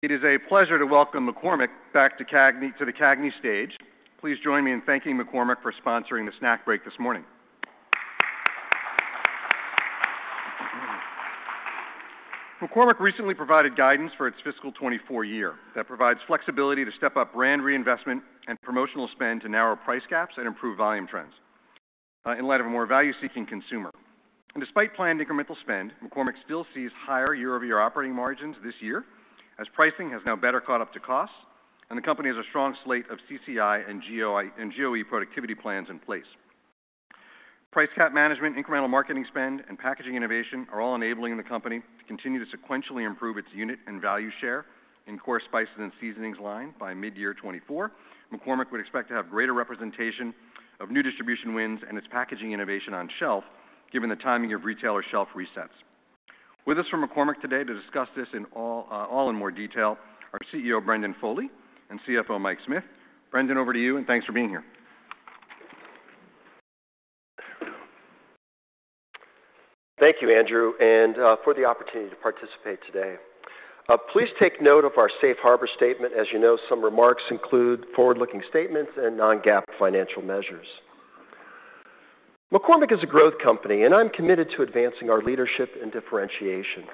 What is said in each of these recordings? It is a pleasure to welcome McCormick back to CAGNY, to the CAGNY stage. Please join me in thanking McCormick for sponsoring the snack break this morning. McCormick recently provided guidance for its fiscal 2024 year that provides flexibility to step up brand reinvestment and promotional spend to narrow price gaps and improve volume trends in light of a more value-seeking consumer. Despite planned incremental spend, McCormick still sees higher year-over-year operating margins this year, as pricing has now better caught up to costs, and the company has a strong slate of CCI and GOE productivity plans in place. Price cap management, incremental marketing spend, and packaging innovation are all enabling the company to continue to sequentially improve its unit and value share in core spices and seasonings line. By mid-year 2024, McCormick would expect to have greater representation of new distribution wins and its packaging innovation on shelf, given the timing of retailer shelf resets. With us from McCormick today to discuss this in all, all in more detail, are CEO Brendan Foley and CFO Mike Smith. Brendan, over to you, and thanks for being here. Thank you, Andrew, and for the opportunity to participate today. Please take note of our safe harbor statement. As you know, some remarks include forward-looking statements and non-GAAP financial measures. McCormick is a growth company, and I'm committed to advancing our leadership and differentiation.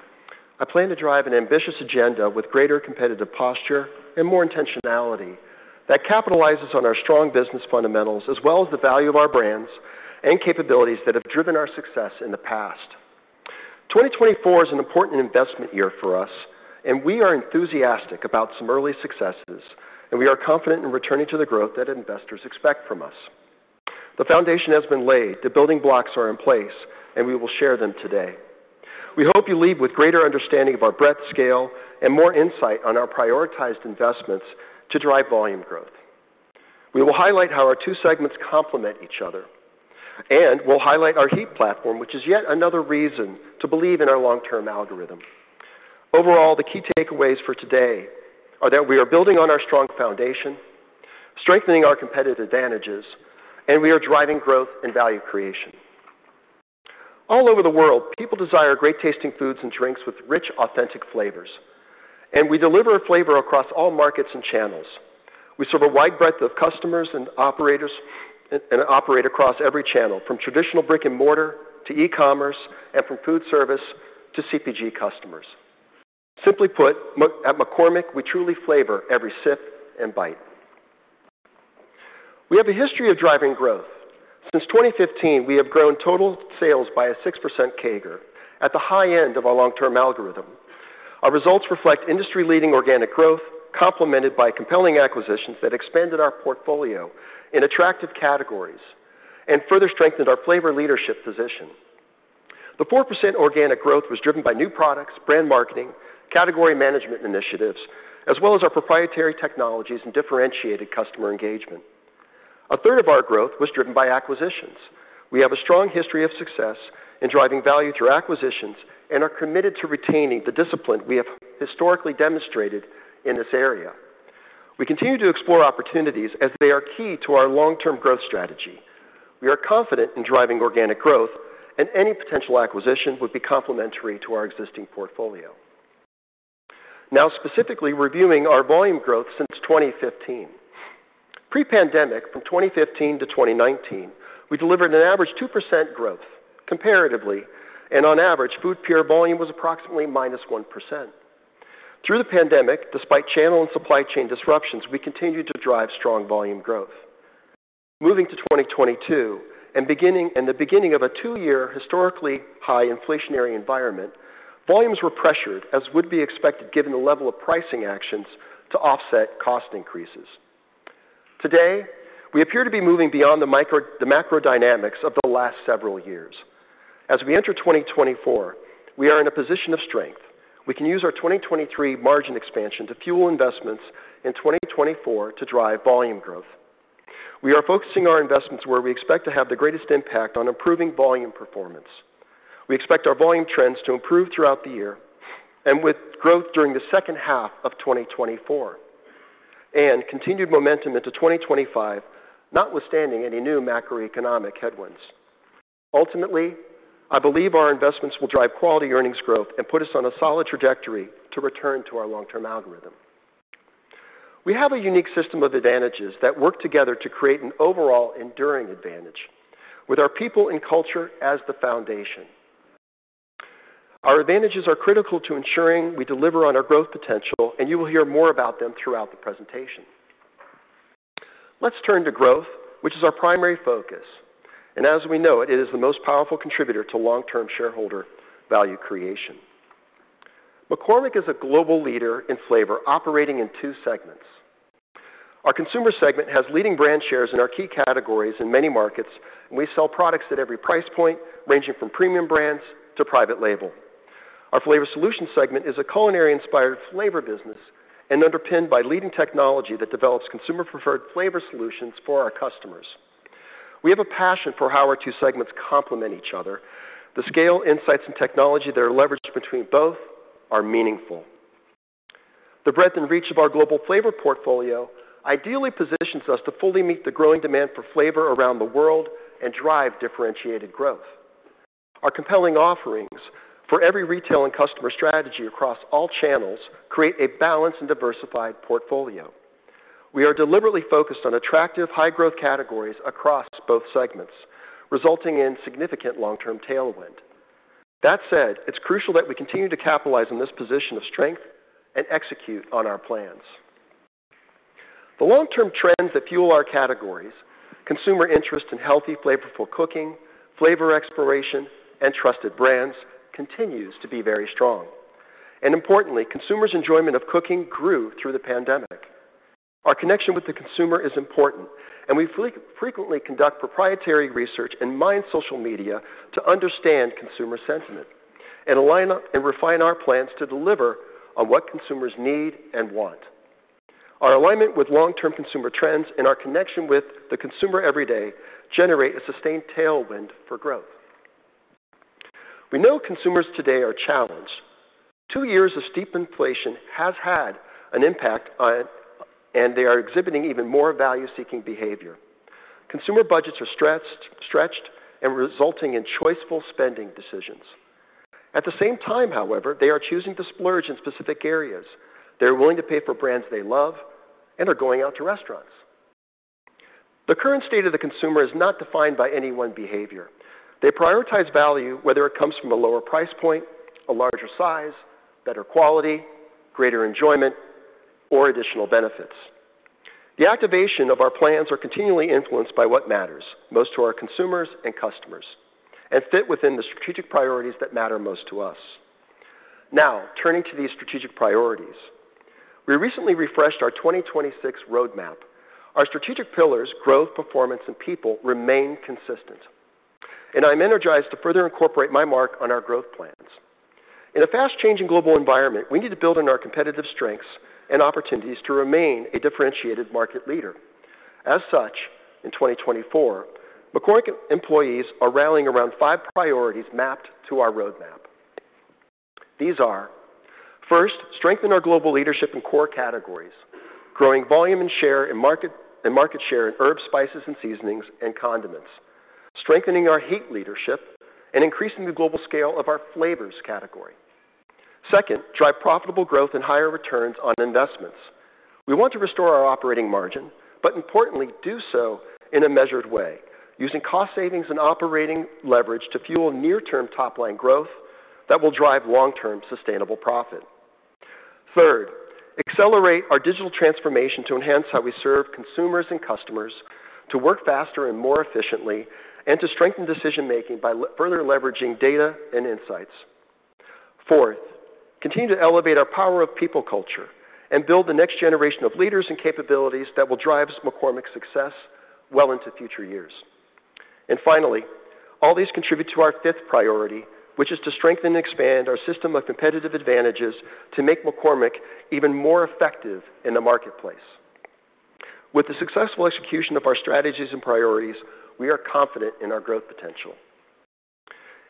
I plan to drive an ambitious agenda with greater competitive posture and more intentionality that capitalizes on our strong business fundamentals, as well as the value of our brands and capabilities that have driven our success in the past. 2024 is an important investment year for us, and we are enthusiastic about some early successes, and we are confident in returning to the growth that investors expect from us. The foundation has been laid, the building blocks are in place, and we will share them today. We hope you leave with greater understanding of our breadth, scale, and more insight on our prioritized investments to drive volume growth. We will highlight how our two segments complement each other, and we'll highlight our HEAT platform, which is yet another reason to believe in our long-term algorithm. Overall, the key takeaways for today are that we are building on our strong foundation, strengthening our competitive advantages, and we are driving growth and value creation. All over the world, people desire great-tasting foods and drinks with rich, authentic flavors, and we deliver flavor across all markets and channels. We serve a wide breadth of customers and operators, and operate across every channel, from traditional brick-and-mortar to e-commerce, and from food service to CPG customers. Simply put, at McCormick, we truly flavor every sip and bite. We have a history of driving growth. Since 2015, we have grown total sales by a 6% CAGR at the high end of our long-term algorithm. Our results reflect industry-leading organic growth, complemented by compelling acquisitions that expanded our portfolio in attractive categories and further strengthened our flavor leadership position. The 4% organic growth was driven by new products, brand marketing, category management initiatives, as well as our proprietary technologies and differentiated customer engagement. A third of our growth was driven by acquisitions. We have a strong history of success in driving value through acquisitions and are committed to retaining the discipline we have historically demonstrated in this area. We continue to explore opportunities as they are key to our long-term growth strategy. We are confident in driving organic growth, and any potential acquisition would be complementary to our existing portfolio. Now, specifically reviewing our volume growth since 2015. Pre-pandemic, from 2015 to 2019, we delivered an average 2% growth comparatively, and on average, food peer volume was approximately -1%. Through the pandemic, despite channel and supply chain disruptions, we continued to drive strong volume growth. Moving to 2022, and the beginning of a two-year historically high inflationary environment, volumes were pressured, as would be expected, given the level of pricing actions to offset cost increases. Today, we appear to be moving beyond the micro, the macro dynamics of the last several years. As we enter 2024, we are in a position of strength. We can use our 2023 margin expansion to fuel investments in 2024 to drive volume growth. We are focusing our investments where we expect to have the greatest impact on improving volume performance. We expect our volume trends to improve throughout the year and with growth during the second half of 2024, and continued momentum into 2025, notwithstanding any new macroeconomic headwinds. Ultimately, I believe our investments will drive quality earnings growth and put us on a solid trajectory to return to our long-term algorithm. We have a unique system of advantages that work together to create an overall enduring advantage with our people and culture as the foundation. Our advantages are critical to ensuring we deliver on our growth potential, and you will hear more about them throughout the presentation. Let's turn to growth, which is our primary focus. As we know, it is the most powerful contributor to long-term shareholder value creation. McCormick is a global leader in flavor, operating in two segments. Our consumer segment has leading brand shares in our key categories in many markets, and we sell products at every price point, ranging from premium brands to private label. Our flavor solutions segment is a culinary-inspired flavor business and underpinned by leading technology that develops consumer-preferred flavor solutions for our customers. We have a passion for how our two segments complement each other. The scale, insights, and technology that are leveraged between both are meaningful. The breadth and reach of our global flavor portfolio ideally positions us to fully meet the growing demand for flavor around the world and drive differentiated growth.... Our compelling offerings for every retail and customer strategy across all channels create a balanced and diversified portfolio. We are deliberately focused on attractive, high-growth categories across both segments, resulting in significant long-term tailwind. That said, it's crucial that we continue to capitalize on this position of strength and execute on our plans. The long-term trends that fuel our categories, consumer interest in healthy, flavorful cooking, flavor exploration, and trusted brands, continues to be very strong. Importantly, consumers' enjoyment of cooking grew through the pandemic. Our connection with the consumer is important, and we frequently conduct proprietary research and mine social media to understand consumer sentiment and align and refine our plans to deliver on what consumers need and want. Our alignment with long-term consumer trends and our connection with the consumer every day generate a sustained tailwind for growth. We know consumers today are challenged. Two years of steep inflation has had an impact on, and they are exhibiting even more value-seeking behavior. Consumer budgets are stretched and resulting in choiceful spending decisions. At the same time, however, they are choosing to splurge in specific areas. They're willing to pay for brands they love and are going out to restaurants. The current state of the consumer is not defined by any one behavior. They prioritize value, whether it comes from a lower price point, a larger size, better quality, greater enjoyment, or additional benefits. The activation of our plans are continually influenced by what matters most to our consumers and customers and fit within the strategic priorities that matter most to us. Now, turning to these strategic priorities, we recently refreshed our 2026 roadmap. Our strategic pillars, growth, performance, and people, remain consistent, and I'm energized to further incorporate my mark on our growth plans. In a fast-changing global environment, we need to build on our competitive strengths and opportunities to remain a differentiated market leader. As such, in 2024, McCormick employees are rallying around five priorities mapped to our roadmap. These are, first, strengthen our global leadership in core categories, growing volume and share in market and market share in herbs, spices, and seasonings and condiments, strengthening our Heat leadership, and increasing the global scale of our flavors category. Second, drive profitable growth and higher returns on investments. We want to restore our operating margin, but importantly, do so in a measured way, using cost savings and operating leverage to fuel near-term top-line growth that will drive long-term sustainable profit. Third, accelerate our digital transformation to enhance how we serve consumers and customers, to work faster and more efficiently, and to strengthen decision-making by further leveraging data and insights. Fourth, continue to elevate our power of people culture, and build the next generation of leaders and capabilities that will drive McCormick's success well into future years. Finally, all these contribute to our fifth priority, which is to strengthen and expand our system of competitive advantages to make McCormick even more effective in the marketplace. With the successful execution of our strategies and priorities, we are confident in our growth potential.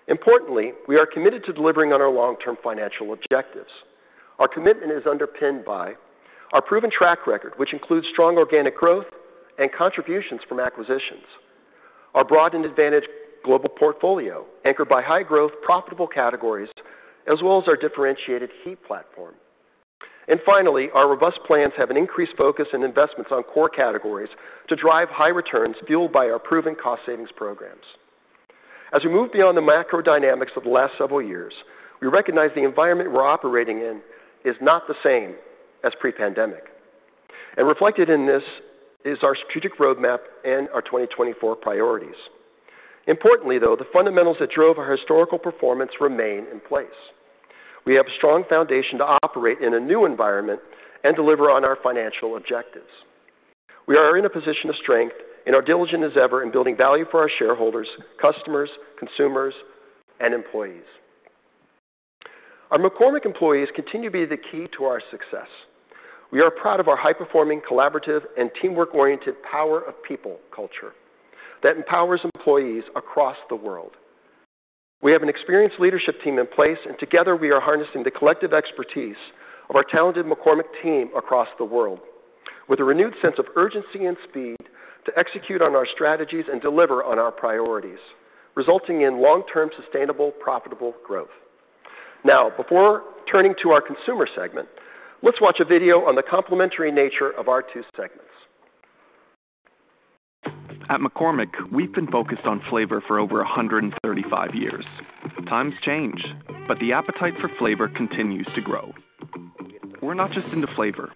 Importantly, we are committed to delivering on our long-term financial objectives. Our commitment is underpinned by our proven track record, which includes strong organic growth and contributions from acquisitions, our broadened advantage global portfolio, anchored by high-growth, profitable categories, as well as our differentiated Heat platform. Finally, our robust plans have an increased focus on investments on core categories to drive high returns, fueled by our proven cost savings programs. As we move beyond the macro dynamics of the last several years, we recognize the environment we're operating in is not the same as pre-pandemic, and reflected in this is our strategic roadmap and our 2024 priorities. Importantly, though, the fundamentals that drove our historical performance remain in place. We have a strong foundation to operate in a new environment and deliver on our financial objectives. We are in a position of strength and are diligent as ever in building value for our shareholders, customers, consumers, and employees. Our McCormick employees continue to be the key to our success. We are proud of our high-performing, collaborative, and teamwork-oriented power of people culture that empowers employees across the world. We have an experienced leadership team in place, and together, we are harnessing the collective expertise of our talented McCormick team across the world, with a renewed sense of urgency and speed to execute on our strategies and deliver on our priorities, resulting in long-term, sustainable, profitable growth. Now, before turning to our consumer segment, let's watch a video on the complementary nature of our two segments. At McCormick, we've been focused on flavor for over 135 years. Times change, but the appetite for flavor continues to grow. We're not just into flavor,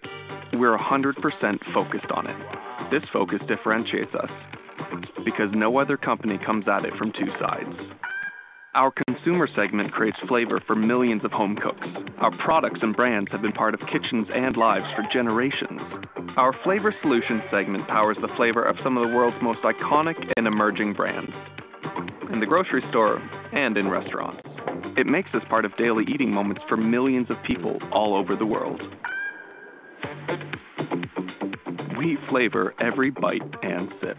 we're 100% focused on it. This focus differentiates us because no other company comes at it from two sides. Our consumer segment creates flavor for millions of home cooks. Our products and brands have been part of kitchens and lives for generations. Our flavor solutions segment powers the flavor of some of the world's most iconic and emerging brands, in the grocery store and in restaurants. It makes us part of daily eating moments for millions of people all over the world. We flavor every bite and sip.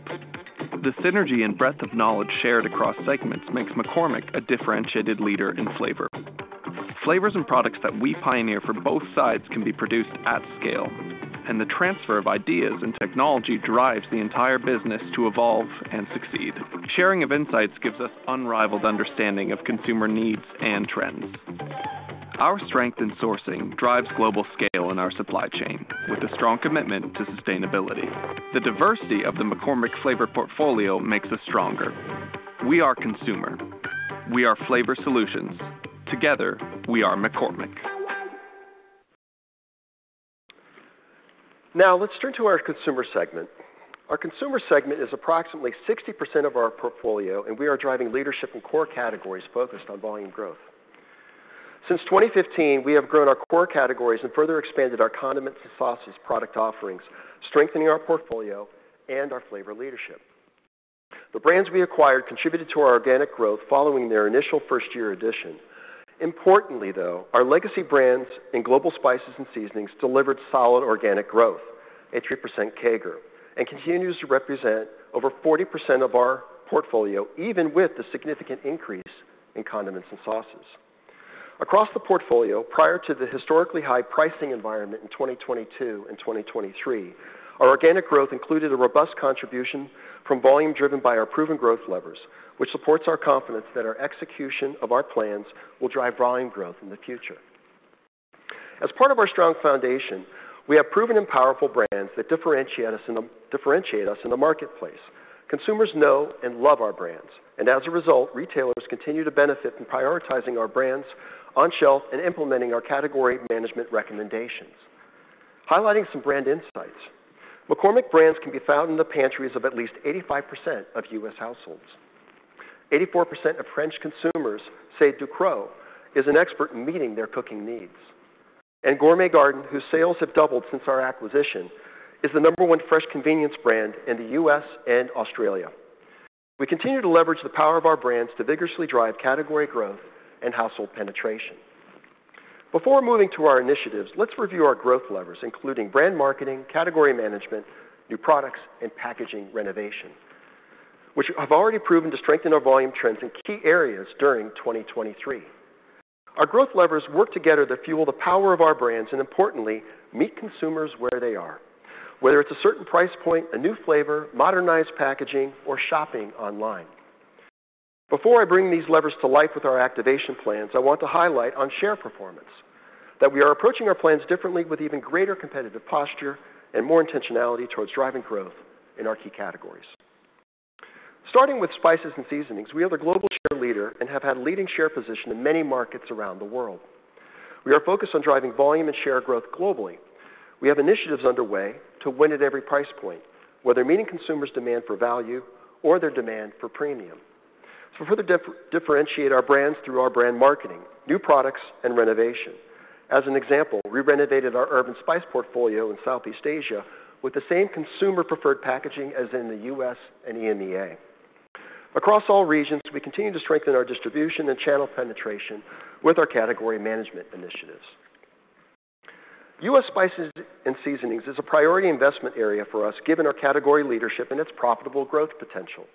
The synergy and breadth of knowledge shared across segments makes McCormick a differentiated leader in flavor. Flavors and products that we pioneer for both sides can be produced at scale, and the transfer of ideas and technology drives the entire business to evolve and succeed. Sharing of insights gives us unrivaled understanding of consumer needs and trends. Our strength in sourcing drives global scale in our supply chain, with a strong commitment to sustainability. The diversity of the McCormick flavor portfolio makes us stronger. We are consumer. We are flavor solutions. Together, we are McCormick. Now let's turn to our consumer segment. Our consumer segment is approximately 60% of our portfolio, and we are driving leadership in core categories focused on volume growth. Since 2015, we have grown our core categories and further expanded our condiments and sauces product offerings, strengthening our portfolio and our flavor leadership. The brands we acquired contributed to our organic growth following their initial first-year addition. Importantly, though, our legacy brands in global spices and seasonings delivered solid organic growth, a 3% CAGR, and continues to represent over 40% of our portfolio, even with the significant increase in condiments and sauces. Across the portfolio, prior to the historically high pricing environment in 2022 and 2023, our organic growth included a robust contribution from volume driven by our proven growth levers, which supports our confidence that our execution of our plans will drive volume growth in the future. As part of our strong foundation, we have proven and powerful brands that differentiate us in the marketplace. Consumers know and love our brands, and as a result, retailers continue to benefit in prioritizing our brands on shelf and implementing our category management recommendations. Highlighting some brand insights, McCormick brands can be found in the pantries of at least 85% of U.S. households. 84% of French consumers say Ducros is an expert in meeting their cooking needs. Gourmet Garden, whose sales have doubled since our acquisition, is the number one fresh convenience brand in the U.S. and Australia. We continue to leverage the power of our brands to vigorously drive category growth and household penetration. Before moving to our initiatives, let's review our growth levers, including brand marketing, category management, new products, and packaging renovation, which have already proven to strengthen our volume trends in key areas during 2023. Our growth levers work together to fuel the power of our brands and, importantly, meet consumers where they are, whether it's a certain price point, a new flavor, modernized packaging, or shopping online. Before I bring these levers to life with our activation plans, I want to highlight on share performance, that we are approaching our plans differently with even greater competitive posture and more intentionality towards driving growth in our key categories. Starting with spices and seasonings, we are the global share leader and have had leading share position in many markets around the world. We are focused on driving volume and share growth globally. We have initiatives underway to win at every price point, whether meeting consumers' demand for value or their demand for premium, to further differentiate our brands through our brand marketing, new products, and renovation. As an example, we renovated our herb and spice portfolio in Southeast Asia with the same consumer-preferred packaging as in the U.S. and EMEA. Across all regions, we continue to strengthen our distribution and channel penetration with our category management initiatives. U.S. spices and seasonings is a priority investment area for us, given our category leadership and its profitable growth potential.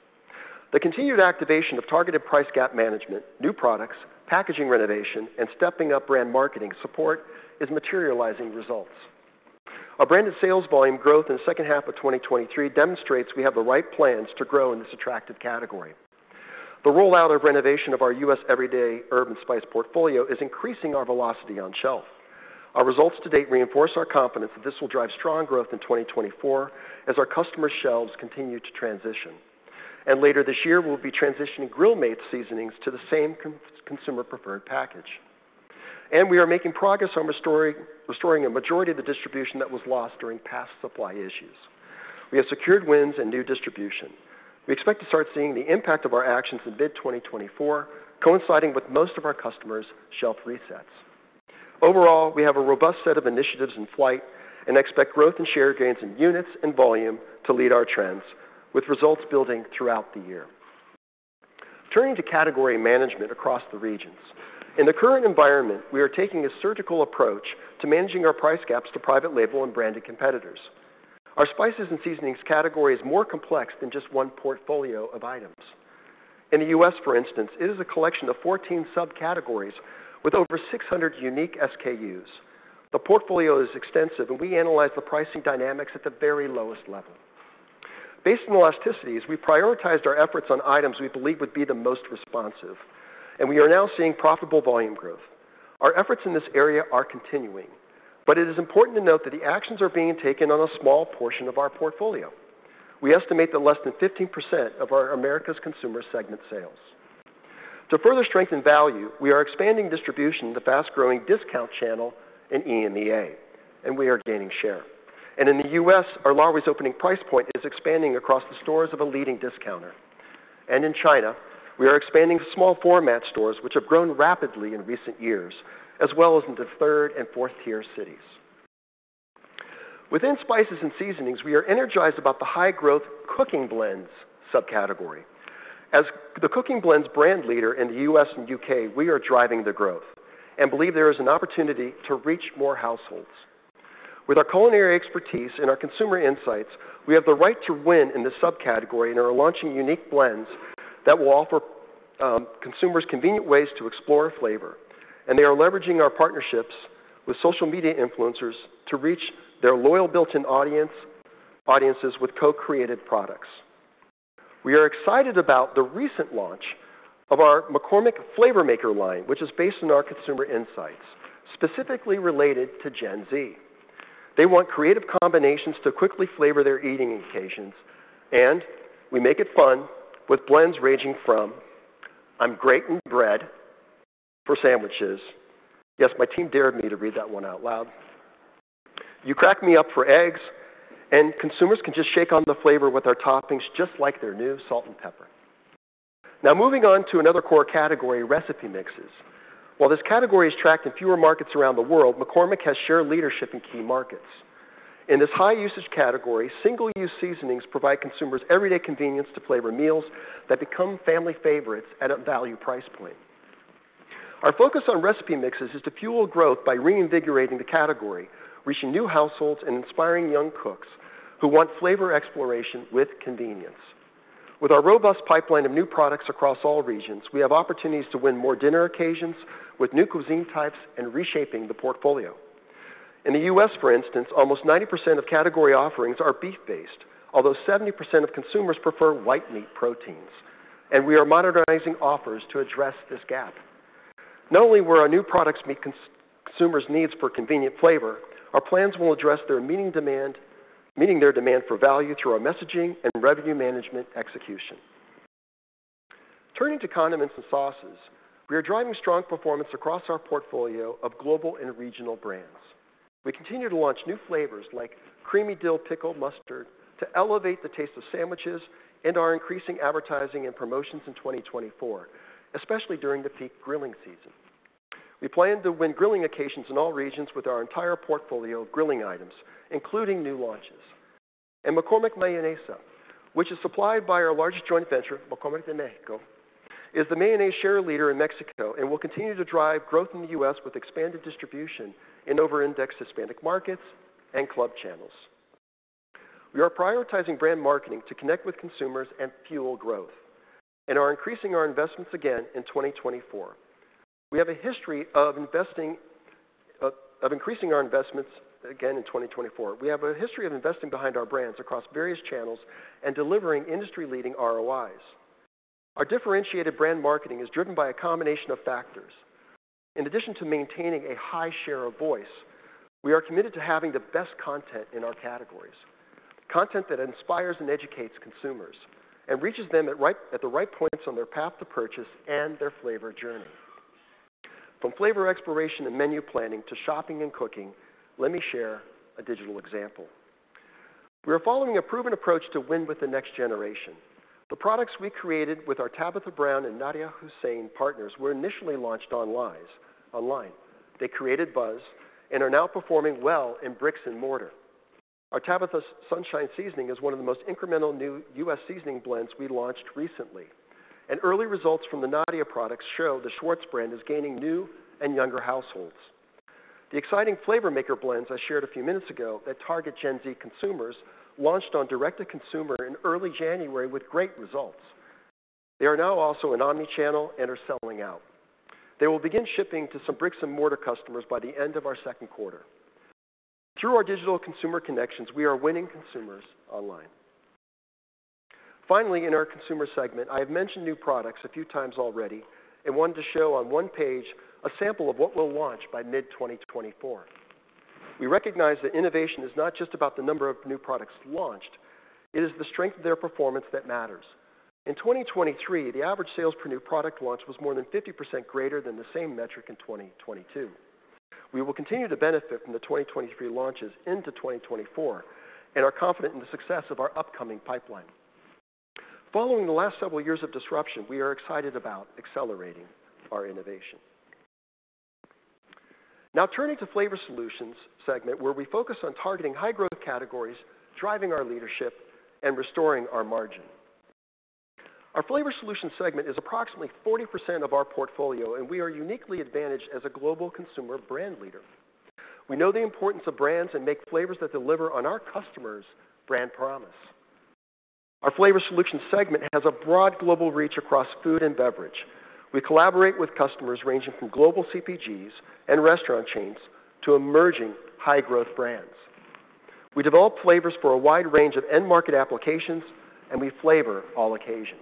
The continued activation of targeted price gap management, new products, packaging renovation, and stepping up brand marketing support is materializing results. Our branded sales volume growth in the second half of 2023 demonstrates we have the right plans to grow in this attractive category. The rollout of renovation of our U.S. everyday herb and spice portfolio is increasing our velocity on shelf. Our results to date reinforce our confidence that this will drive strong growth in 2024 as our customer shelves continue to transition. Later this year, we'll be transitioning Grill Mates seasonings to the same consumer-preferred package. We are making progress on restoring a majority of the distribution that was lost during past supply issues. We have secured wins and new distribution. We expect to start seeing the impact of our actions in mid-2024, coinciding with most of our customers' shelf resets. Overall, we have a robust set of initiatives in flight and expect growth and share gains in units and volume to lead our trends, with results building throughout the year. Turning to category management across the regions. In the current environment, we are taking a surgical approach to managing our price gaps to private label and branded competitors. Our spices and seasonings category is more complex than just one portfolio of items. In the U.S., for instance, it is a collection of 14 subcategories with over 600 unique SKUs. The portfolio is extensive, and we analyze the pricing dynamics at the very lowest level. Based on elasticities, we prioritized our efforts on items we believe would be the most responsive, and we are now seeing profitable volume growth. Our efforts in this area are continuing, but it is important to note that the actions are being taken on a small portion of our portfolio. We estimate that less than 15% of our Americas consumer segment sales. To further strengthen value, we are expanding distribution in the fast-growing discount channel in EMEA, and we are gaining share. In the US, our lowest opening price point is expanding across the stores of a leading discounter. In China, we are expanding small format stores, which have grown rapidly in recent years, as well as into third- and fourth-tier cities. Within spices and seasonings, we are energized about the high-growth cooking blends subcategory. As the cooking blends brand leader in the US and UK, we are driving the growth and believe there is an opportunity to reach more households. With our culinary expertise and our consumer insights, we have the right to win in this subcategory and are launching unique blends that will offer consumers convenient ways to explore flavor, and they are leveraging our partnerships with social media influencers to reach their loyal, built-in audience, audiences with co-created products.... We are excited about the recent launch of our McCormick Flavor Maker line, which is based on our consumer insights, specifically related to Gen Z. They want creative combinations to quickly flavor their eating occasions, and we make it fun with blends ranging from, I'm Great in Bread for sandwiches. Yes, my team dared me to read that one out loud. You Crack Me Up for eggs, and consumers can just shake on the flavor with our toppings, just like their new salt and pepper. Now, moving on to another core category, recipe mixes. While this category is tracked in fewer markets around the world, McCormick has shared leadership in key markets. In this high-usage category, single-use seasonings provide consumers everyday convenience to flavor meals that become family favorites at a value price point. Our focus on recipe mixes is to fuel growth by reinvigorating the category, reaching new households and inspiring young cooks who want flavor exploration with convenience. With our robust pipeline of new products across all regions, we have opportunities to win more dinner occasions with new cuisine types and reshaping the portfolio. In the U.S., for instance, almost 90% of category offerings are beef-based, although 70% of consumers prefer white meat proteins, and we are modernizing offers to address this gap. Not only will our new products meet consumers' needs for convenient flavor, our plans will address their demand for value through our messaging and revenue management execution. Turning to condiments and sauces, we are driving strong performance across our portfolio of global and regional brands. We continue to launch new flavors like creamy dill pickle mustard to elevate the taste of sandwiches and are increasing advertising and promotions in 2024, especially during the peak grilling season. We plan to win grilling occasions in all regions with our entire portfolio of grilling items, including new launches. McCormick Mayonesa, which is supplied by our largest joint venture, McCormick de Mexico, is the mayonnaise share leader in Mexico and will continue to drive growth in the U.S. with expanded distribution in overindexed Hispanic markets and club channels. We are prioritizing brand marketing to connect with consumers and fuel growth and are increasing our investments again in 2024. We have a history of investing, of increasing our investments again in 2024. We have a history of investing behind our brands across various channels and delivering industry-leading ROIs. Our differentiated brand marketing is driven by a combination of factors. In addition to maintaining a high share of voice, we are committed to having the best content in our categories, content that inspires and educates consumers and reaches them at right, at the right points on their path to purchase and their flavor journey. From flavor exploration and menu planning to shopping and cooking, let me share a digital example. We are following a proven approach to win with the next generation. The products we created with our Tabitha Brown and Nadiya Hussain partners were initially launched online. They created buzz and are now performing well in bricks-and-mortar. Our Tabitha's Sunshine Seasoning is one of the most incremental new U.S. seasoning blends we launched recently. Early results from the Nadiya products show the Schwartz brand is gaining new and younger households. The exciting Flavor Maker blends I shared a few minutes ago that target Gen Z consumers launched on direct-to-consumer in early January with great results. They are now also in omni-channel and are selling out. They will begin shipping to some bricks-and-mortar customers by the end of our Q2. Through our digital consumer connections, we are winning consumers online. Finally, in our consumer segment, I have mentioned new products a few times already and wanted to show on one page a sample of what we'll launch by mid-2024. We recognize that innovation is not just about the number of new products launched. It is the strength of their performance that matters. In 2023, the average sales per new product launch was more than 50% greater than the same metric in 2022. We will continue to benefit from the 2023 launches into 2024 and are confident in the success of our upcoming pipeline. Following the last several years of disruption, we are excited about accelerating our innovation. Now, turning to Flavor Solutions segment, where we focus on targeting high-growth categories, driving our leadership, and restoring our margin. Our Flavor Solutions segment is approximately 40% of our portfolio, and we are uniquely advantaged as a global consumer brand leader. We know the importance of brands and make flavors that deliver on our customers' brand promise. Our Flavor Solutions segment has a broad global reach across food and beverage. We collaborate with customers ranging from global CPGs and restaurant chains to emerging high-growth brands. We develop flavors for a wide range of end-market applications, and we flavor all occasions.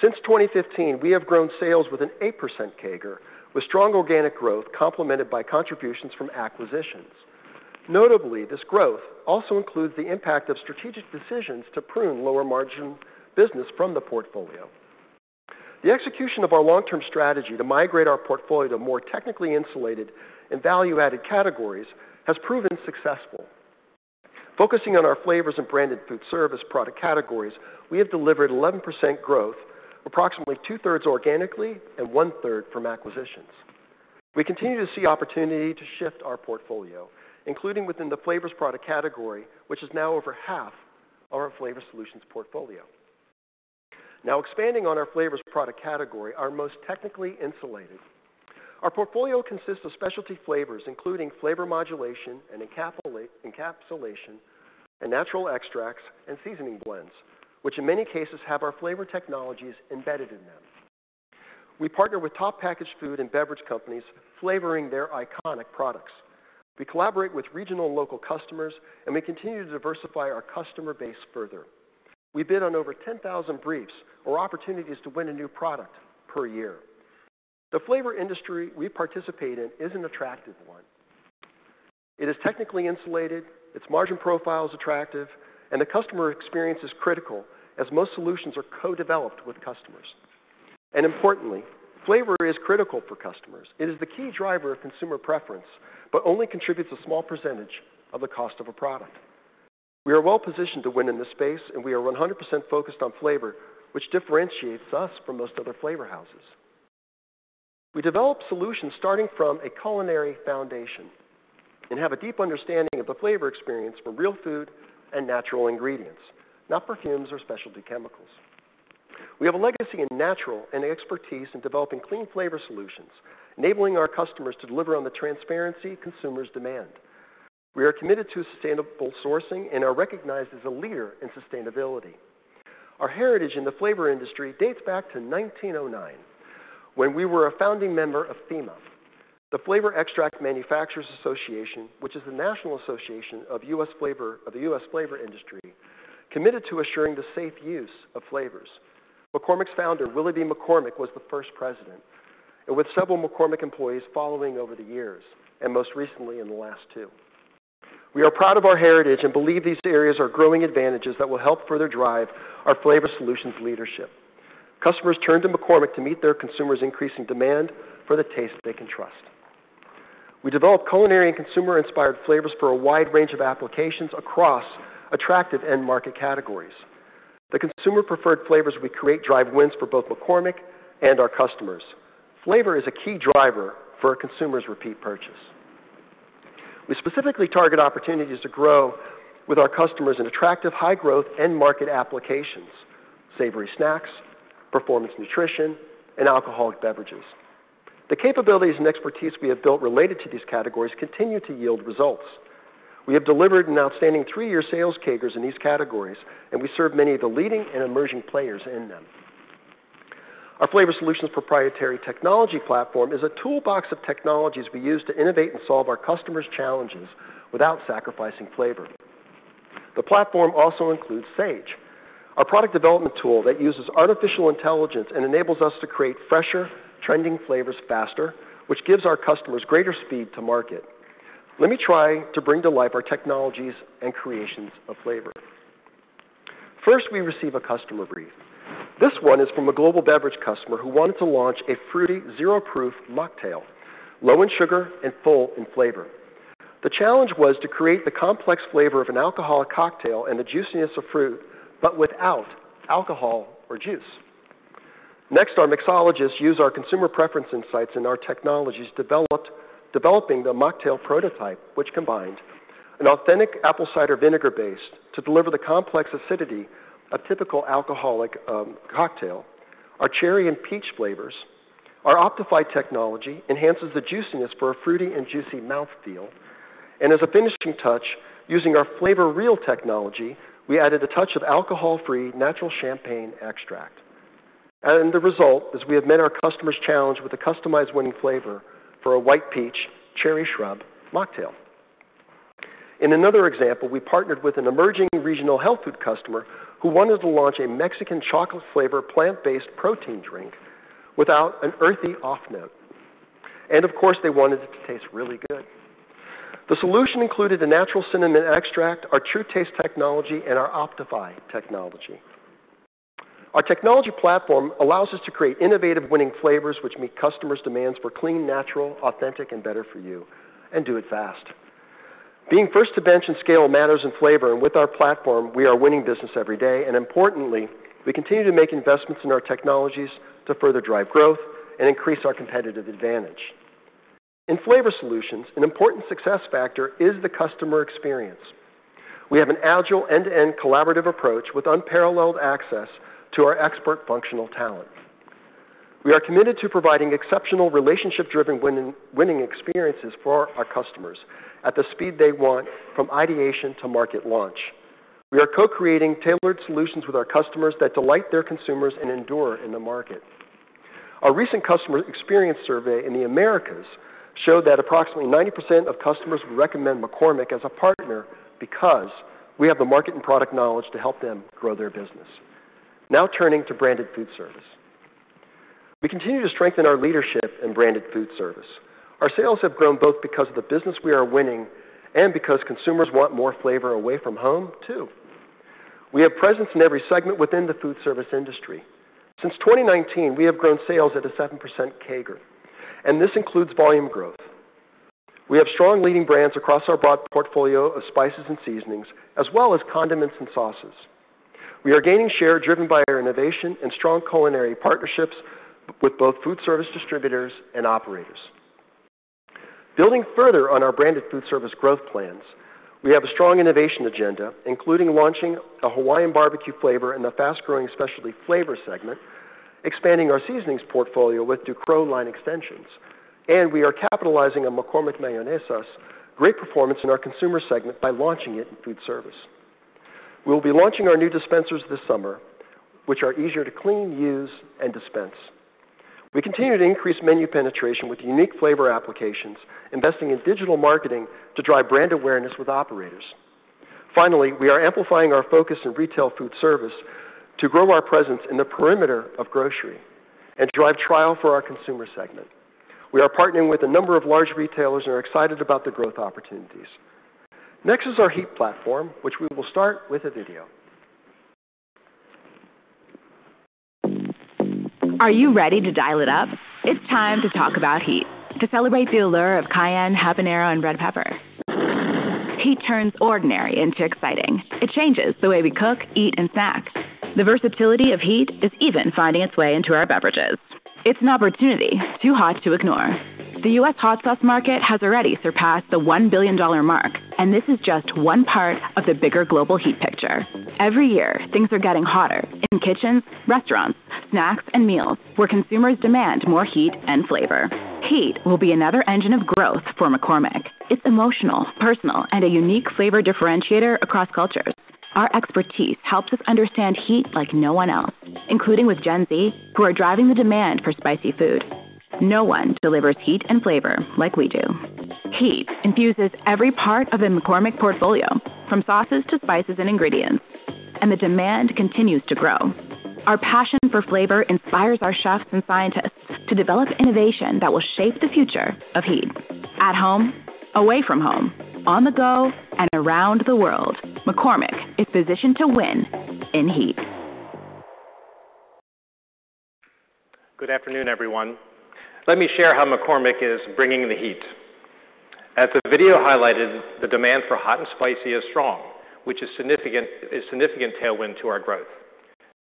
Since 2015, we have grown sales with an 8% CAGR, with strong organic growth complemented by contributions from acquisitions. Notably, this growth also includes the impact of strategic decisions to prune lower-margin business from the portfolio. The execution of our long-term strategy to migrate our portfolio to more technically insulated and value-added categories has proven successful. Focusing on our flavors and branded food service product categories, we have delivered 11% growth, approximately two-thirds organically and one-third from acquisitions. We continue to see opportunity to shift our portfolio, including within the flavors product category, which is now over half of our Flavor Solutions portfolio. Now, expanding on our flavors product category, our most technically insulated. Our portfolio consists of specialty flavors, including flavor modulation and encapsulation, and natural extracts, and seasoning blends, which in many cases, have our flavor technologies embedded in them. We partner with top packaged food and beverage companies, flavoring their iconic products. We collaborate with regional and local customers, and we continue to diversify our customer base further. We bid on over 10,000 briefs or opportunities to win a new product per year. The flavor industry we participate in is an attractive one. It is technically insulated, its margin profile is attractive, and the customer experience is critical, as most solutions are co-developed with customers. Importantly, flavor is critical for customers. It is the key driver of consumer preference, but only contributes a small percentage of the cost of a product. We are well positioned to win in this space, and we are 100% focused on flavor, which differentiates us from most other flavor houses. We develop solutions starting from a culinary foundation and have a deep understanding of the flavor experience for real food and natural ingredients, not perfumes or specialty chemicals. We have a legacy in natural and expertise in developing clean flavor solutions, enabling our customers to deliver on the transparency consumers demand. We are committed to sustainable sourcing and are recognized as a leader in sustainability. Our heritage in the flavor industry dates back to 1909, when we were a founding member of FEMA, the Flavor Extract Manufacturers Association, which is the National Association of US Flavor of the US flavor industry, committed to assuring the safe use of flavors. McCormick's founder, Willoughby M. McCormick, was the first president, and with several McCormick employees following over the years, and most recently in the last two. We are proud of our heritage and believe these areas are growing advantages that will help further drive our flavor solutions leadership. Customers turn to McCormick to meet their consumers' increasing demand for the taste they can trust. We develop culinary and consumer-inspired flavors for a wide range of applications across attractive end market categories. The consumer-preferred flavors we create drive wins for both McCormick and our customers. Flavor is a key driver for a consumer's repeat purchase. We specifically target opportunities to grow with our customers in attractive, high-growth, end-market applications: savory snacks, performance nutrition, and alcoholic beverages. The capabilities and expertise we have built related to these categories continue to yield results. We have delivered an outstanding three-year sales CAGRs in these categories, and we serve many of the leading and emerging players in them. Our flavor solutions proprietary technology platform is a toolbox of technologies we use to innovate and solve our customers' challenges without sacrificing flavor. The platform also includes Sage, our product development tool that uses artificial intelligence and enables us to create fresher, trending flavors faster, which gives our customers greater speed to market. Let me try to bring to life our technologies and creations of flavor. First, we receive a customer brief. This one is from a global beverage customer who wanted to launch a fruity, zero-proof mocktail, low in sugar and full in flavor. The challenge was to create the complex flavor of an alcoholic cocktail and the juiciness of fruit, but without alcohol or juice. Next, our mixologists use our consumer preference insights and our technologies developing the mocktail prototype, which combined an authentic apple cider vinegar base to deliver the complex acidity of typical alcoholic cocktail, our cherry and peach flavors. Our OptiFi Technology enhances the juiciness for a fruity and juicy mouthfeel, and as a finishing touch, using our FlavorReal technology, we added a touch of alcohol-free natural champagne extract. The result is we have met our customer's challenge with a customized winning flavor for a white peach cherry shrub mocktail. In another example, we partnered with an emerging regional health food customer who wanted to launch a Mexican chocolate flavor, plant-based protein drink without an earthy off note. And of course, they wanted it to taste really good. The solution included a natural cinnamon extract, our TrueTaste technology, and our OptiFi Technology. Our technology platform allows us to create innovative, winning flavors, which meet customers' demands for clean, natural, authentic, and better for you, and do it fast. Being first to bench and scale matters in flavor, and with our platform, we are winning business every day, and importantly, we continue to make investments in our technologies to further drive growth and increase our competitive advantage. In flavor solutions, an important success factor is the customer experience. We have an agile, end-to-end collaborative approach with unparalleled access to our expert functional talent. We are committed to providing exceptional, relationship-driven winning, winning experiences for our customers at the speed they want, from ideation to market launch. We are co-creating tailored solutions with our customers that delight their consumers and endure in the market. Our recent customer experience survey in the Americas showed that approximately 90% of customers would recommend McCormick as a partner because we have the market and product knowledge to help them grow their business. Now turning to branded food service. We continue to strengthen our leadership in branded food service. Our sales have grown both because of the business we are winning and because consumers want more flavor away from home, too. We have presence in every segment within the food service industry. Since 2019, we have grown sales at a 7% CAGR, and this includes volume growth. We have strong leading brands across our broad portfolio of spices and seasonings, as well as condiments and sauces. We are gaining share driven by our innovation and strong culinary partnerships with both food service distributors and operators. Building further on our branded food service growth plans, we have a strong innovation agenda, including launching a Hawaiian barbecue flavor in the fast-growing specialty flavor segment, expanding our seasonings portfolio with Ducros line extensions, and we are capitalizing on McCormick Mayonesa's great performance in our consumer segment by launching it in food service.... We'll be launching our new dispensers this summer, which are easier to clean, use, and dispense. We continue to increase menu penetration with unique flavor applications, investing in digital marketing to drive brand awareness with operators. Finally, we are amplifying our focus in retail food service to grow our presence in the perimeter of grocery and drive trial for our consumer segment. We are partnering with a number of large retailers and are excited about the growth opportunities. Next is our Heat platform, which we will start with a video. Are you ready to dial it up? It's time to talk about heat, to celebrate the allure of cayenne, habanero, and red pepper. Heat turns ordinary into exciting. It changes the way we cook, eat, and snack. The versatility of heat is even finding its way into our beverages. It's an opportunity too hot to ignore. The U.S. hot sauce market has already surpassed the $1 billion mark, and this is just one part of the bigger global heat picture. Every year, things are getting hotter in kitchens, restaurants, snacks, and meals, where consumers demand more heat and flavor. Heat will be another engine of growth for McCormick. It's emotional, personal, and a unique flavor differentiator across cultures. Our expertise helps us understand heat like no one else, including with Gen Z, who are driving the demand for spicy food. No one delivers heat and flavor like we do. Heat infuses every part of the McCormick portfolio, from sauces to spices and ingredients, and the demand continues to grow. Our passion for flavor inspires our chefs and scientists to develop innovation that will shape the future of heat. At home, away from home, on the go, and around the world, McCormick is positioned to win in heat. Good afternoon, everyone. Let me share how McCormick is bringing the heat. As the video highlighted, the demand for hot and spicy is strong, which is significant, a significant tailwind to our growth.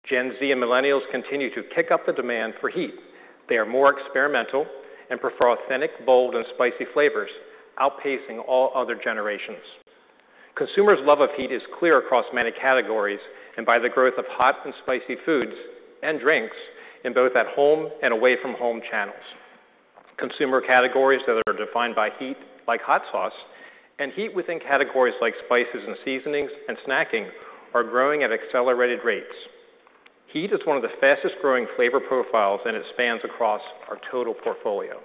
Gen Z and millennials continue to kick up the demand for heat. They are more experimental and prefer authentic, bold, and spicy flavors, outpacing all other generations. Consumers' love of heat is clear across many categories and by the growth of hot and spicy foods and drinks in both at home and away from home channels. Consumer categories that are defined by heat, like hot sauce, and heat within categories like spices and seasonings and snacking, are growing at accelerated rates. Heat is one of the fastest-growing flavor profiles, and it spans across our total portfolio.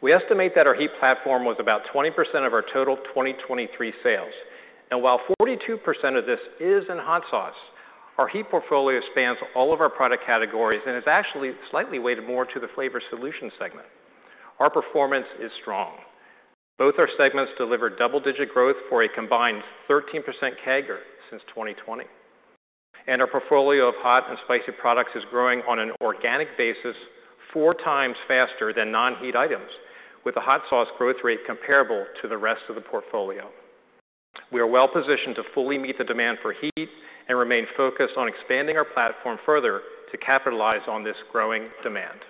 We estimate that our Heat platform was about 20% of our total 2023 sales, and while 42% of this is in hot sauce, our Heat portfolio spans all of our product categories and is actually slightly weighted more to the flavor solution segment. Our performance is strong. Both our segments delivered double-digit growth for a combined 13% CAGR since 2020. Our portfolio of hot and spicy products is growing on an organic basis, four times faster than non-heat items, with the hot sauce growth rate comparable to the rest of the portfolio. We are well positioned to fully meet the demand for heat and remain focused on expanding our platform further to capitalize on this growing demand.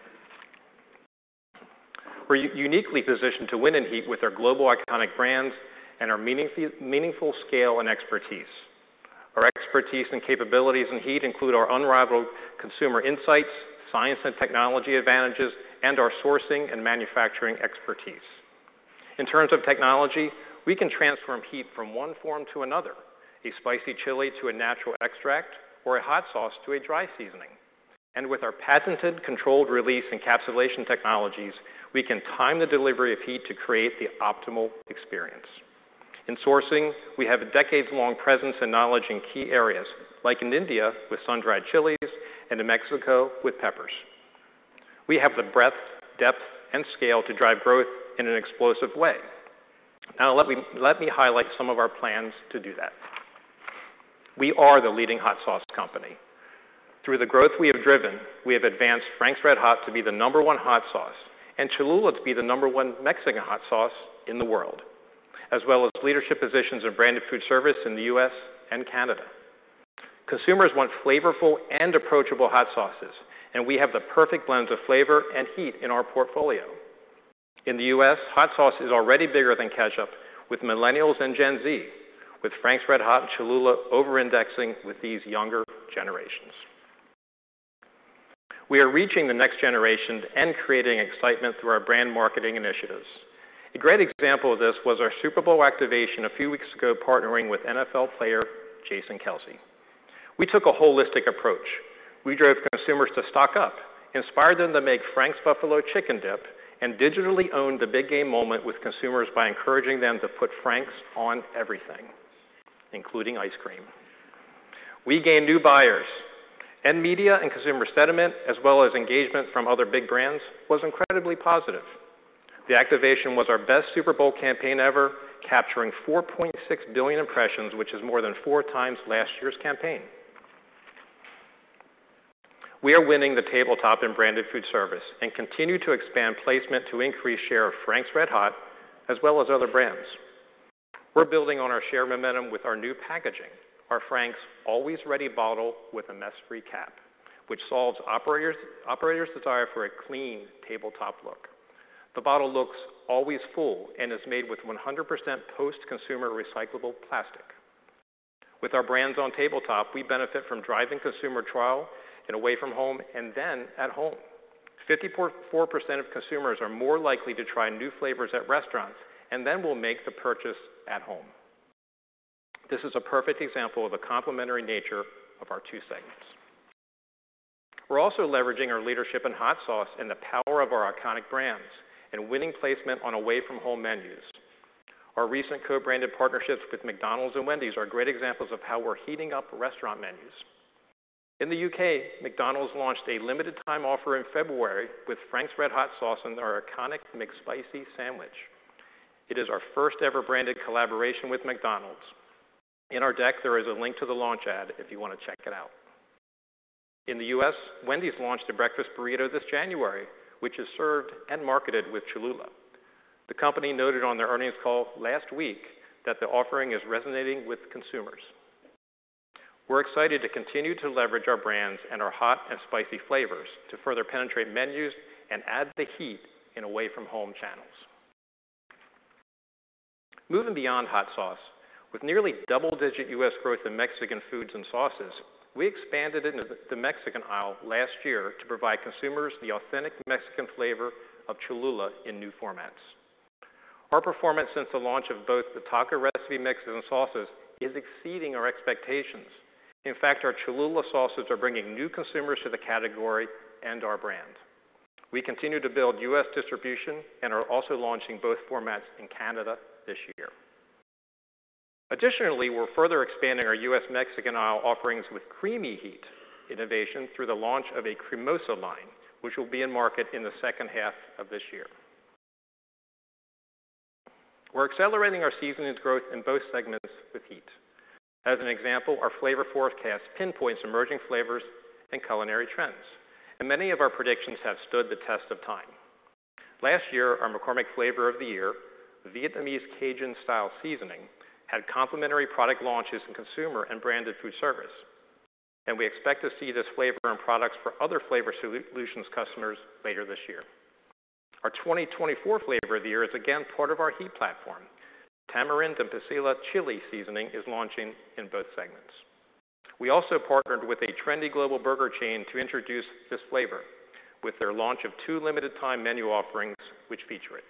We're uniquely positioned to win in heat with our global iconic brands and our meaningful scale and expertise. Our expertise and capabilities in heat include our unrivaled consumer insights, science and technology advantages, and our sourcing and manufacturing expertise. In terms of technology, we can transform heat from one form to another, a spicy chili to a natural extract or a hot sauce to a dry seasoning. And with our patented controlled-release encapsulation technologies, we can time the delivery of heat to create the optimal experience. In sourcing, we have a decades-long presence and knowledge in key areas, like in India with sun-dried chilies and in Mexico with peppers. We have the breadth, depth, and scale to drive growth in an explosive way. Now, let me highlight some of our plans to do that. We are the leading hot sauce company. Through the growth we have driven, we have advanced Frank's RedHot to be the number one hot sauce and Cholula to be the number one Mexican hot sauce in the world, as well as leadership positions in branded food service in the U.S. and Canada. Consumers want flavorful and approachable hot sauces, and we have the perfect blend of flavor and heat in our portfolio. In the U.S., hot sauce is already bigger than ketchup with millennials and Gen Z, with Frank's RedHot and Cholula over-indexing with these younger generations. We are reaching the next generation and creating excitement through our brand marketing initiatives. A great example of this was our Super Bowl activation a few weeks ago, partnering with NFL player Jason Kelce. We took a holistic approach. We drove consumers to stock up, inspired them to make Frank's Buffalo Chicken Dip, and digitally owned the big game moment with consumers by encouraging them to put Frank's on everything, including ice cream. We gained new buyers, and media and consumer sentiment, as well as engagement from other big brands, was incredibly positive. The activation was our best Super Bowl campaign ever, capturing 4.6 billion impressions, which is more than 4 times last year's campaign. We are winning the tabletop and branded food service and continue to expand placement to increase share of Frank's RedHot, as well as other brands. We're building on our share momentum with our new packaging, our Frank's Always Ready Bottle with a Mess-Free Cap, which solves operators' desire for a clean tabletop look. The bottle looks always full and is made with 100% post-consumer recyclable plastic. With our brands on tabletop, we benefit from driving consumer trial and away from home and then at home… 54% of consumers are more likely to try new flavors at restaurants and then will make the purchase at home. This is a perfect example of the complementary nature of our two segments. We're also leveraging our leadership in hot sauce and the power of our iconic brands and winning placement on away-from-home menus. Our recent co-branded partnerships with McDonald's and Wendy's are great examples of how we're heating up restaurant menus. In the U.K., McDonald's launched a limited time offer in February with Frank's RedHot sauce and our iconic McSpicy sandwich. It is our first-ever branded collaboration with McDonald's. In our deck, there is a link to the launch ad if you want to check it out. In the U.S., Wendy's launched a breakfast burrito this January, which is served and marketed with Cholula. The company noted on their earnings call last week that the offering is resonating with consumers. We're excited to continue to leverage our brands and our hot and spicy flavors to further penetrate menus and add the heat in away-from-home channels. Moving beyond hot sauce, with nearly double-digit U.S. growth in Mexican foods and sauces, we expanded into the Mexican aisle last year to provide consumers the authentic Mexican flavor of Cholula in new formats. Our performance since the launch of both the taco recipe mixes and sauces is exceeding our expectations. In fact, our Cholula sauces are bringing new consumers to the category and our brand. We continue to build U.S. distribution and are also launching both formats in Canada this year. Additionally, we're further expanding our U.S. Mexican aisle offerings with creamy Heat innovation through the launch of a Cremosa line, which will be in market in the second half of this year. We're accelerating our seasonings growth in both segments with Heat. As an example, our flavor forecast pinpoints emerging flavors and culinary trends, and many of our predictions have stood the test of time. Last year, our McCormick Flavor of the Year, Vietnamese Cajun Style Seasoning, had complementary product launches in consumer and branded food service, and we expect to see this flavor in products for other Flavor Solutions customers later this year. Our 2024 Flavor of the Year is again part of our Heat platform. Tamarind and Pasilla Chile Seasoning is launching in both segments. We also partnered with a trendy global burger chain to introduce this flavor with their launch of two limited time menu offerings, which feature it.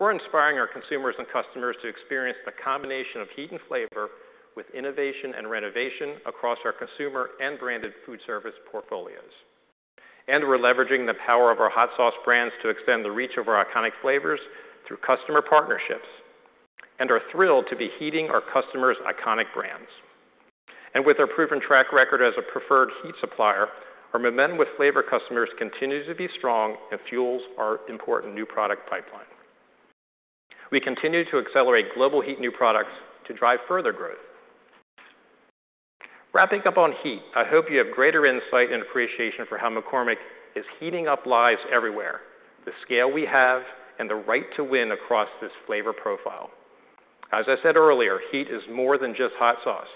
We're inspiring our consumers and customers to experience the combination of Heat and flavor with innovation and renovation across our consumer and branded food service portfolios. We're leveraging the power of our hot sauce brands to extend the reach of our iconic flavors through customer partnerships, and are thrilled to be heating our customers' iconic brands. With our proven track record as a preferred Heat supplier, our momentum with flavor customers continues to be strong and fuels our important new product pipeline. We continue to accelerate global Heat new products to drive further growth. Wrapping up on Heat, I hope you have greater insight and appreciation for how McCormick is heating up lives everywhere, the scale we have, and the right to win across this flavor profile. As I said earlier, Heat is more than just hot sauce.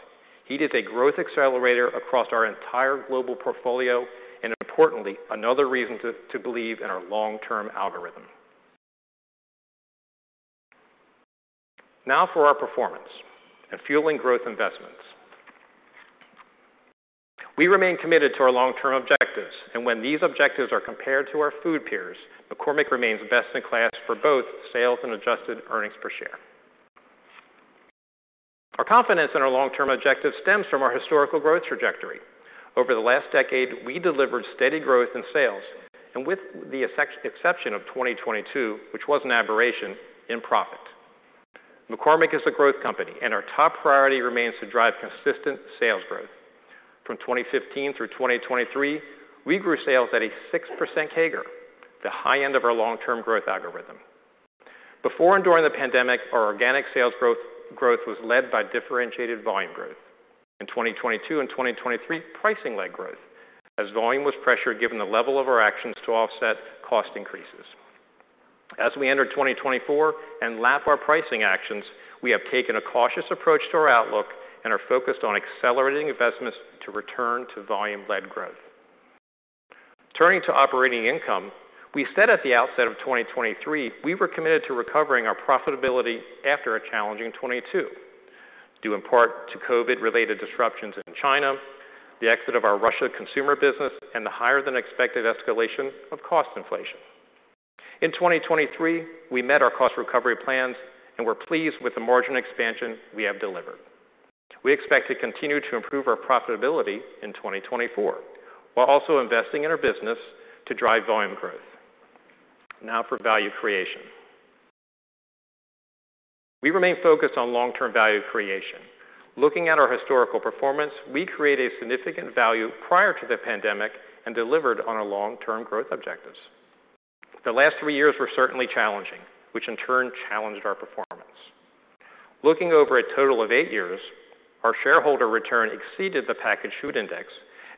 Heat is a growth accelerator across our entire global portfolio, and importantly, another reason to believe in our long-term algorithm. Now for our performance and fueling growth investments. We remain committed to our long-term objectives, and when these objectives are compared to our food peers, McCormick remains best in class for both sales and adjusted earnings per share. Our confidence in our long-term objectives stems from our historical growth trajectory. Over the last decade, we delivered steady growth in sales and with the exception of 2022, which was an aberration in profit. McCormick is a growth company, and our top priority remains to drive consistent sales growth. From 2015 through 2023, we grew sales at a 6% CAGR, the high end of our long-term growth algorithm. Before and during the pandemic, our organic sales growth was led by differentiated volume growth. In 2022 and 2023, pricing led growth, as volume was pressured, given the level of our actions to offset cost increases. As we enter 2024 and lap our pricing actions, we have taken a cautious approach to our outlook and are focused on accelerating investments to return to volume-led growth. Turning to operating income, we said at the outset of 2023, we were committed to recovering our profitability after a challenging 2022, due in part to COVID-related disruptions in China, the exit of our Russia consumer business, and the higher-than-expected escalation of cost inflation. In 2023, we met our cost recovery plans and we're pleased with the margin expansion we have delivered. We expect to continue to improve our profitability in 2024, while also investing in our business to drive volume growth. Now for value creation. We remain focused on long-term value creation. Looking at our historical performance, we created a significant value prior to the pandemic and delivered on our long-term growth objectives. The last three years were certainly challenging, which in turn challenged our performance. Looking over a total of 8 years, our shareholder return exceeded the packaged food index,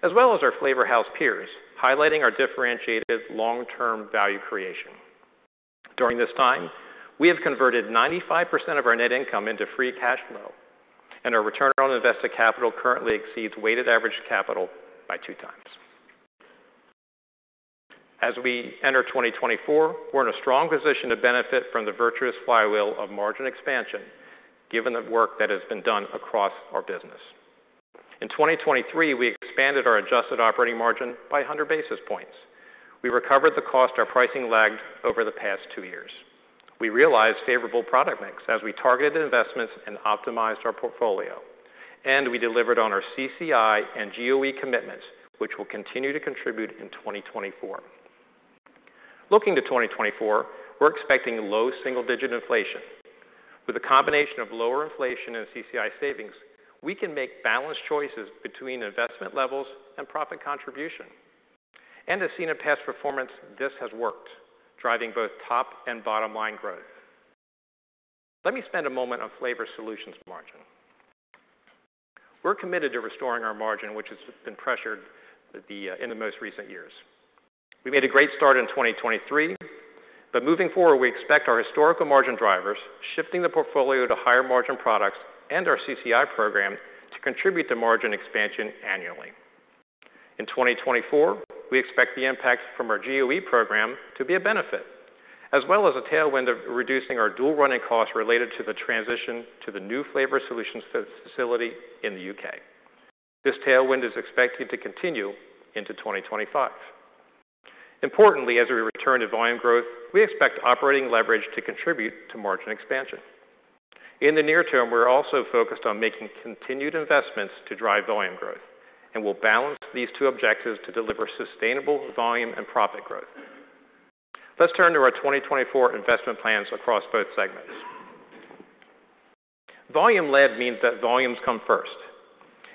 as well as our flavor house peers, highlighting our differentiated long-term value creation. During this time, we have converted 95% of our net income into free cash flow, and our return on invested capital currently exceeds weighted average capital by 2 times. As we enter 2024, we're in a strong position to benefit from the virtuous flywheel of margin expansion, given the work that has been done across our business. In 2023, we expanded our adjusted operating margin by 100 basis points. We recovered the cost our pricing lagged over the past two years. We realized favorable product mix as we targeted investments and optimized our portfolio, and we delivered on our CCI and GOE commitments, which will continue to contribute in 2024. Looking to 2024, we're expecting low single-digit inflation. With a combination of lower inflation and CCI savings, we can make balanced choices between investment levels and profit contribution. And as seen in past performance, this has worked, driving both top and bottom-line growth. Let me spend a moment on Flavor Solutions margin. We're committed to restoring our margin, which has been pressured in the most recent years. We made a great start in 2023, but moving forward, we expect our historical margin drivers, shifting the portfolio to higher margin products and our CCI program, to contribute to margin expansion annually. In 2024, we expect the impact from our GOE program to be a benefit, as well as a tailwind of reducing our dual running costs related to the transition to the new Flavor Solutions facility in the U.K. This tailwind is expected to continue into 2025. Importantly, as we return to volume growth, we expect operating leverage to contribute to margin expansion. In the near term, we're also focused on making continued investments to drive volume growth, and we'll balance these two objectives to deliver sustainable volume and profit growth. Let's turn to our 2024 investment plans across both segments. Volume-led means that volumes come first,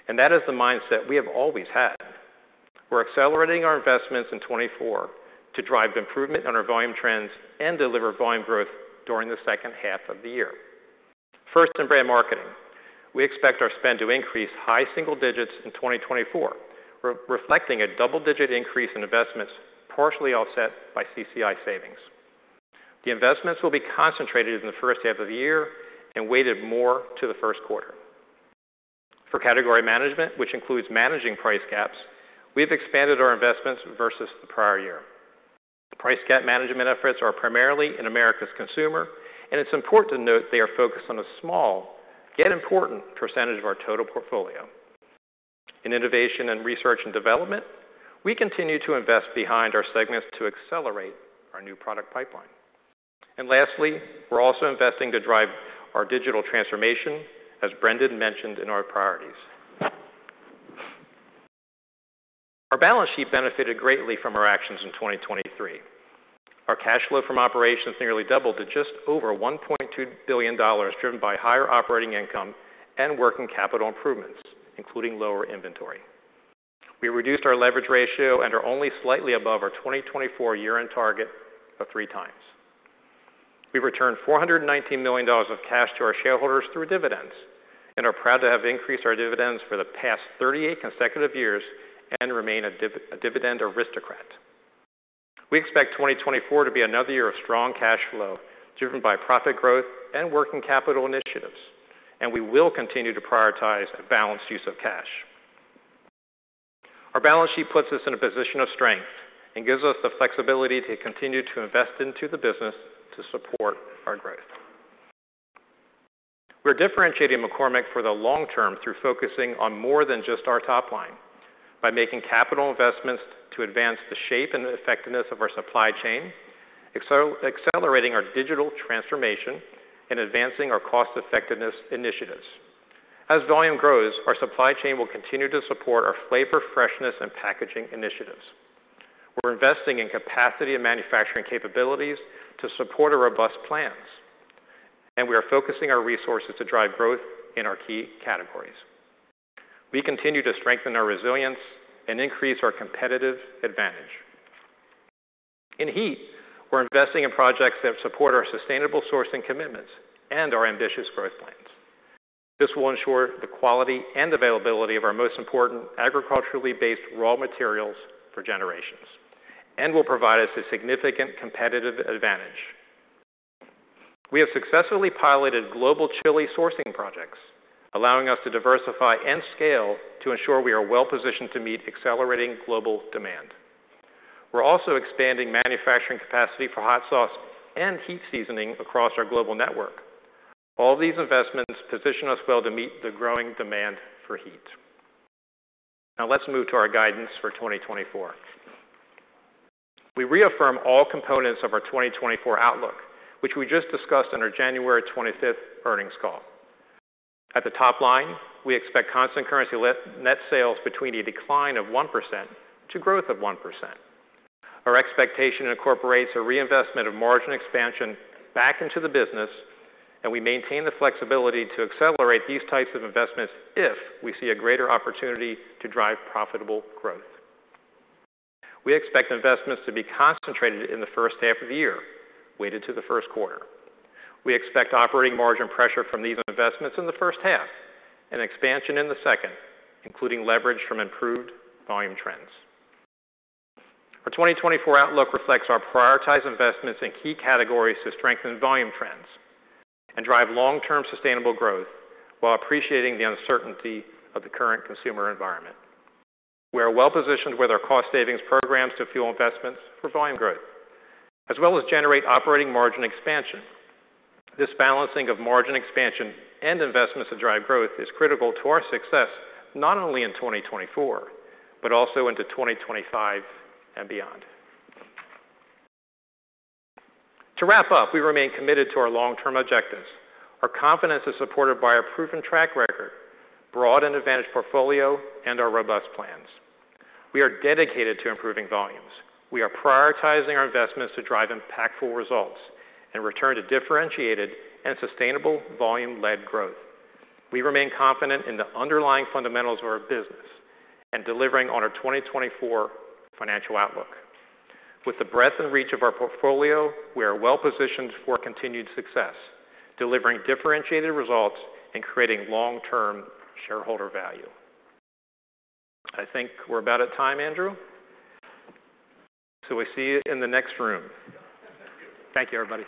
and that is the mindset we have always had. We're accelerating our investments in 2024 to drive improvement on our volume trends and deliver volume growth during the second half of the year. First, in brand marketing, we expect our spend to increase high single digits in 2024, reflecting a double-digit increase in investments, partially offset by CCI savings. The investments will be concentrated in the first half of the year and weighted more to the Q1. For category management, which includes managing price gaps, we've expanded our investments versus the prior year. The price gap management efforts are primarily in Americas consumer, and it's important to note they are focused on a small, yet important, percentage of our total portfolio. In innovation and research and development, we continue to invest behind our segments to accelerate our new product pipeline. And lastly, we're also investing to drive our digital transformation, as Brendan mentioned in our priorities. Our balance sheet benefited greatly from our actions in 2023. Our cash flow from operations nearly doubled to just over $1.2 billion, driven by higher operating income and working capital improvements, including lower inventory. We reduced our leverage ratio and are only slightly above our 2024 year-end target of 3 times. We returned $419 million of cash to our shareholders through dividends and are proud to have increased our dividends for the past 38 consecutive years and remain a Dividend Aristocrat. We expect 2024 to be another year of strong cash flow, driven by profit growth and working capital initiatives, and we will continue to prioritize a balanced use of cash. Our balance sheet puts us in a position of strength and gives us the flexibility to continue to invest into the business to support our growth. We're differentiating McCormick for the long term through focusing on more than just our top line, by making capital investments to advance the shape and the effectiveness of our supply chain, accelerating our digital transformation, and advancing our cost-effectiveness initiatives. As volume grows, our supply chain will continue to support our flavor, freshness, and packaging initiatives. We're investing in capacity and manufacturing capabilities to support our robust plans, and we are focusing our resources to drive growth in our key categories. We continue to strengthen our resilience and increase our competitive advantage. In Heat, we're investing in projects that support our sustainable sourcing commitments and our ambitious growth plans. This will ensure the quality and availability of our most important agriculturally based raw materials for generations and will provide us a significant competitive advantage. We have successfully piloted global chili sourcing projects, allowing us to diversify and scale to ensure we are well positioned to meet accelerating global demand. We're also expanding manufacturing capacity for hot sauce and Heat seasoning across our global network. All these investments position us well to meet the growing demand for Heat. Now, let's move to our guidance for 2024. We reaffirm all components of our 2024 outlook, which we just discussed on our January 25 earnings call. At the top line, we expect constant currency net sales between a decline of 1% to growth of 1%. Our expectation incorporates a reinvestment of margin expansion back into the business, and we maintain the flexibility to accelerate these types of investments if we see a greater opportunity to drive profitable growth. We expect investments to be concentrated in the first half of the year, weighted to the Q1. We expect operating margin pressure from these investments in the first half and expansion in the second, including leverage from improved volume trends. Our 2024 outlook reflects our prioritized investments in key categories to strengthen volume trends and drive long-term sustainable growth while appreciating the uncertainty of the current consumer environment. We are well positioned with our cost savings programs to fuel investments for volume growth, as well as generate operating margin expansion. This balancing of margin expansion and investments to drive growth is critical to our success, not only in 2024, but also into 2025 and beyond. To wrap up, we remain committed to our long-term objectives. Our confidence is supported by our proven track record, broad and advantaged portfolio, and our robust plans. We are dedicated to improving volumes. We are prioritizing our investments to drive impactful results and return to differentiated and sustainable volume-led growth. We remain confident in the underlying fundamentals of our business and delivering on our 2024 financial outlook. With the breadth and reach of our portfolio, we are well positioned for continued success, delivering differentiated results, and creating long-term shareholder value. I think we're about at time, Andrew, so we'll see you in the next room. Thank you, everybody.